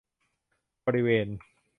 บริเวณ